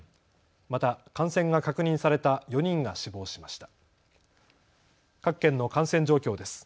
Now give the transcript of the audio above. また感染が確認された４人が死亡しました。